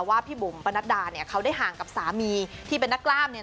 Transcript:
ว่าพี่บุ๋มปนัดดาเขาได้ห่างกับสามีที่เป็นนักร่าม